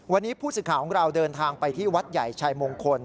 วันนี้ผู้สื่อข่าวของเราเดินทางไปที่วัดใหญ่ชัยมงคล